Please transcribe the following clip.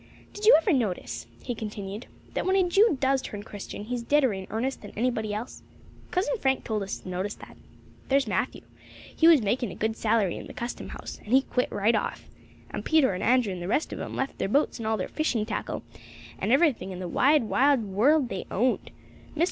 "Did you ever notice," he continued, "that when a Jew does turn Christian he's deader in earnest than anybody else? Cousin Frank told us to notice that. There's Matthew. He was making a good salary in the custom house, and he quit right off. And Peter and Andrew and the rest of 'em left their boats and all their fishing tackle, and every thing in the wide world that they owned. Mr.